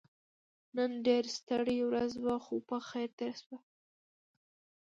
نن ډيره ستړې ورځ وه خو په خير تيره شوه.